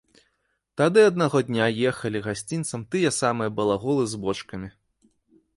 Тады аднаго дня ехалі гасцінцам тыя самыя балаголы з бочкамі.